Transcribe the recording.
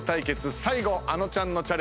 最後あのちゃんのチャレンジです。